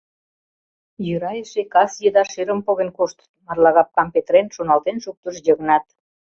«Йӧра эше кас еда шӧрым поген коштыт, — марлагапкам петырен, шоналтен шуктыш Йыгнат.